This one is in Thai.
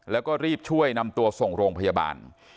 แล้วก็รีบช่วยนำตัวส่งโรงพยาบาล